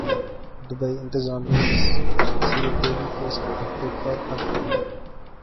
Dubai انتظامیہ نے Sri Devi case کی تحقیقات بند کردی